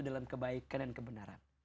dalam kebaikan dan kebenaran